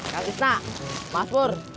kak isna masbur